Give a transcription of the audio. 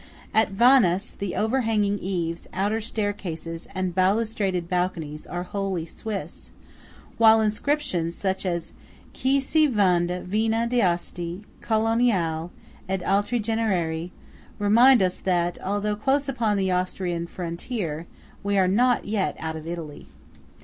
At Venas, the overhanging eaves, outer staircases, and balustraded balconies, are wholly Swiss; while inscriptions such as "Qui si vende Vino d'Asti, Coloniale, ed altri generi," remind us that, although close upon the Austrian frontier, we are not yet out of Italy.